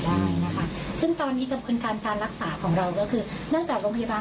ก็คือโรงพยาบาลที่ใหญ่กว่า